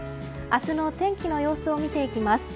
明日の天気の様子を見ていきます。